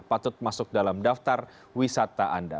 patut masuk dalam daftar wisata anda